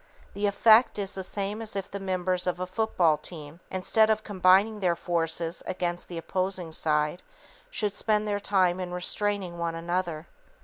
The effect is the same as if the members of a football team, instead of combining their forces against the opposing side, should spend their time in restraining one another.